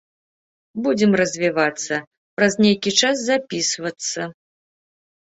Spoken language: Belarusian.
Будзем развівацца, праз нейкі час запісвацца.